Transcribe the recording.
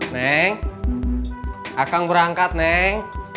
neng aku mau berangkat nek